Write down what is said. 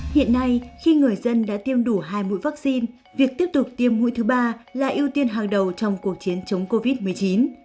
hiện nay khi người dân đã tiêm đủ hai mũi vaccine việc tiếp tục tiêm mũi thứ ba là ưu tiên hàng đầu trong cuộc chiến chống covid một mươi chín